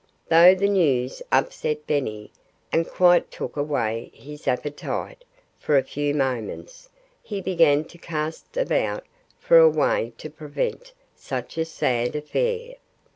Though the news upset Benny, and quite took away his appetite, for a few moments, he began to cast about for a way to prevent such a sad affair.